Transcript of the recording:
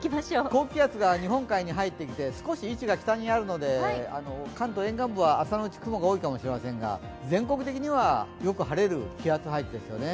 高気圧が日本海に入ってきて少し西にあるので朝のうち雲が多いかもしれませんが全国的にはよく晴れる気圧配置ですよね。